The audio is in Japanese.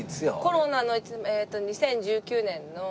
コロナの２０１９年の。